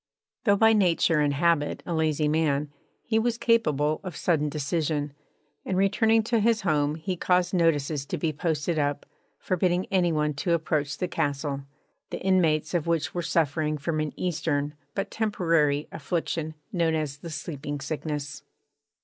Though by nature and habit a lazy man, he was capable of sudden decision, and returning to his home he caused notices to be posted up, forbidding any one to approach the castle, the inmates of which were suffering from an Eastern but temporary affliction known as the Sleeping Sickness.